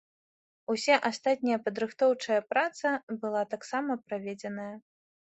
Уся астатняя падрыхтоўчая праца была таксама праведзеная.